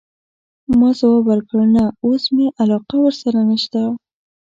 ما ځواب ورکړ: نه، اوس مي علاقه ورسره نشته.